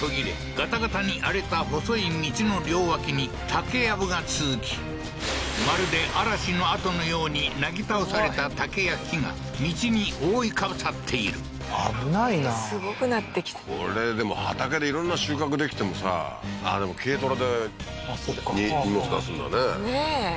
ガタガタに荒れた細い道の両脇に竹やぶが続きまるで嵐のあとのようになぎ倒された竹や木が道に覆いかぶさっている危ないなすごくなってきたこれでも畑で色んな収穫できてもさあっでも軽トラで荷物出すんだねねえ